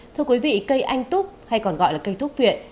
thưa quý vị cây anh túc hay còn gọi là cây thúc viện